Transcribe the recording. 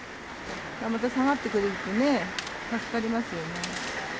また下がってくれるとね、助かりますよね。